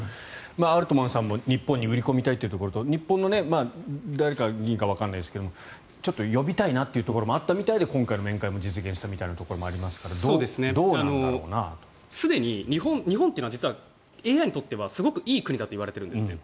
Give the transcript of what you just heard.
アルトマンさんも日本に売り込みたいというところと日本の誰かわからないですがちょっと呼びたいなというところもあったみたいで今回の面会も実現したというところもすでに日本はＡＩにとってすごくいい国だといわれてるんです。